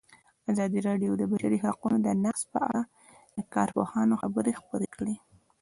ازادي راډیو د د بشري حقونو نقض په اړه د کارپوهانو خبرې خپرې کړي.